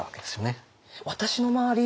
私の周り